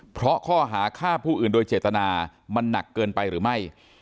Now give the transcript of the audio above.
เพราะข้อหาฆ่าผู้อื่นโดยเจตนามันหนักเกินไปหรือไม่